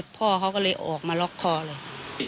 พ่อเขาก็เลยออกมาล็อกคอเลย